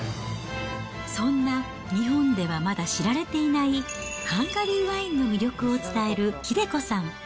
そんな日本ではまだ知られていない、ハンガリーワインの魅力を伝える英子さん。